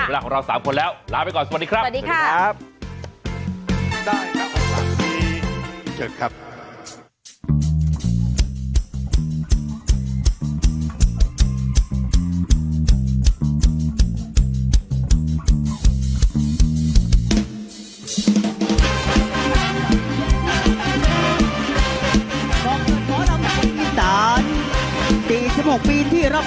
เวลาของเรา๓คนแล้วลาไปก่อนสวัสดีครับ